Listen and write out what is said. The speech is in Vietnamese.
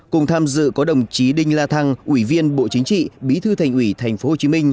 cùng tham dự có đồng chí đinh la thăng ủy viên bộ chính trị bí thư thành ủy tp hcm